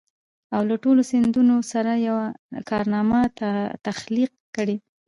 او له ټولو سندونو سره يوه کارنامه تخليق کړي.